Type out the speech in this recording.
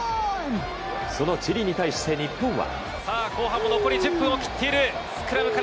そのチリに対して、日本は。